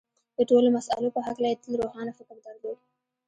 د ټولو مسألو په هکله یې تل روښانه فکر درلود